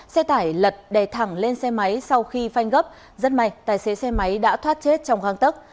xe tải lật đè thẳng lên xe máy sau khi phanh gấp rất may tài xế xe máy đã thoát chết trong hang tốc